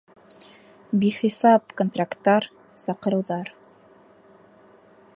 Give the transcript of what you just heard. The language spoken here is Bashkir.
Бихисап контракттар, саҡырыуҙар.